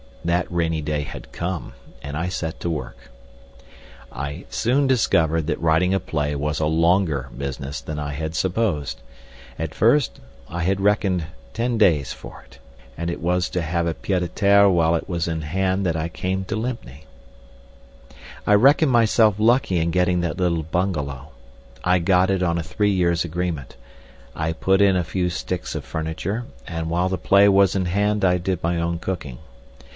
That rainy day had come, and I set to work. I soon discovered that writing a play was a longer business than I had supposed; at first I had reckoned ten days for it, and it was to have a pied à terre while it was in hand that I came to Lympne. I reckoned myself lucky in getting that little bungalow. I got it on a three years' agreement. I put in a few sticks of furniture, and while the play was in hand I did my own cooking.